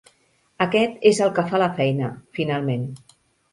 Aquest és el que fa la feina, finalment.